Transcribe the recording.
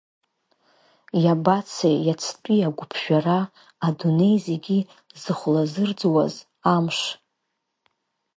Иабацеи иацтәи агәыԥжәара, адунеи зегьы зыхәлазырӡуаз амш!